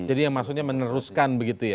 jadi yang maksudnya meneruskan begitu ya